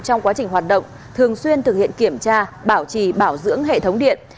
trong quá trình hoạt động thường xuyên thực hiện kiểm tra bảo trì bảo dưỡng hệ thống điện